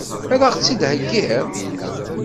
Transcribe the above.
Ad ɣ-tt-id-theggiḍ?